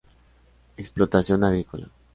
Explotación agrícola.